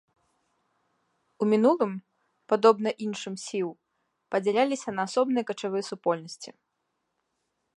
У мінулым, падобна іншым сіў, падзяляліся на асобныя качавыя супольнасці.